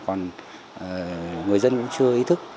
còn người dân cũng chưa ý thức